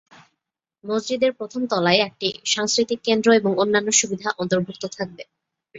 মসজিদের প্রথম তলায় একটি সাংস্কৃতিক কেন্দ্র এবং অন্যান্য সুবিধা অন্তর্ভুক্ত থাকবে।